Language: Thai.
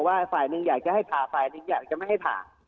ว่าฝ่ายหนึ่งอยากจะให้ผ่าฝ่ายหนึ่งอยากจะไม่ให้ผ่า